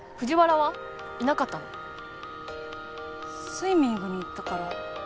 スイミングに行ったから。